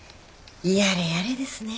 やれやれですね。